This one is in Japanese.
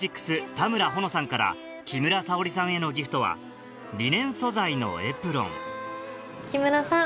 田村保乃さんから木村沙織さんへのギフトはリネン素材のエプロン木村さん